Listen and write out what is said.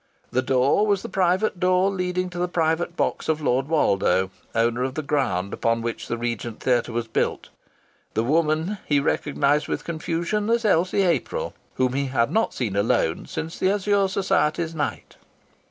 The door was the private door leading to the private box of Lord Woldo, owner of the ground upon which the Regent Theatre was built. The woman he recognized with confusion as Elsie April, whom he had not seen alone since the Azure Society's night.